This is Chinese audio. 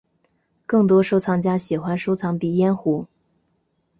更多收藏家喜欢收藏鼻烟壶。